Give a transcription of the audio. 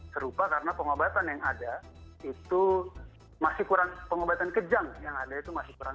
serupa karena pengobatan yang ada itu masih kurang pengobatan kejang yang ada itu masih kurang